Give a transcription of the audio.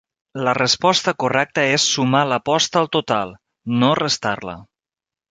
La resposta correcta és sumar l'aposta al total, no restar-la.